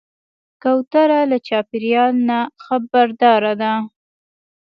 کوتره له چاپېریاله نه خبرداره ده.